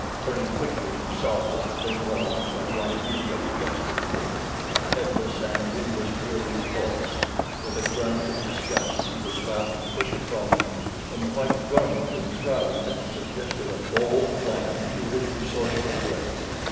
Turning quickly he saw that the thing was what he had immediately guessed it to be a headless and wingless Wieroo corpse. With a grunt of disgust he was about to push it from him when the white garment enshrouding it suggested a bold plan to his resourceful brain.